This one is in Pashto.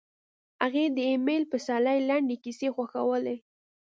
هغې د ایمل پسرلي لنډې کیسې خوښولې